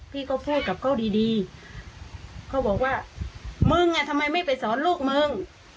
พี่ก็พูดกับเขาดีดีเขาบอกว่ามึงอ่ะทำไมไม่ไปสอนลูกมึง